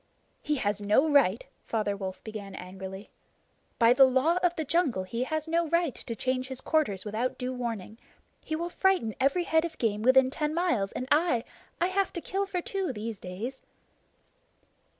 "He has no right!" Father Wolf began angrily "By the Law of the Jungle he has no right to change his quarters without due warning. He will frighten every head of game within ten miles, and I I have to kill for two, these days."